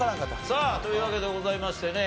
さあというわけでございましてね